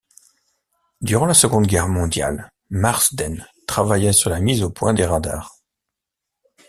Durant la Seconde Guerre mondiale, Marsden travailla sur la mise au point des radars.